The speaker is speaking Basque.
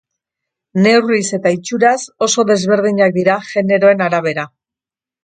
Neurriz eta itxuraz oso desberdinak dira generoen arabera.